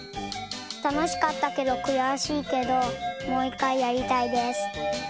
たのしかったけどくやしいけどもういっかいやりたいです。